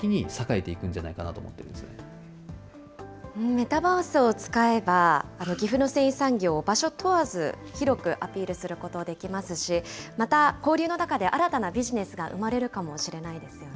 メタバースを使えば、岐阜の繊維産業、場所問わず、広くアピールすることできますし、また、交流の中で新たなビジネスが生まれるかもしれないですよね。